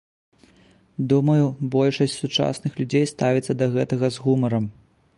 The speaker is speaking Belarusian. Думаю, большасць сучасных людзей ставіцца да гэтага з гумарам.